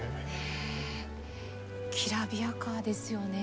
きらびやかですよね。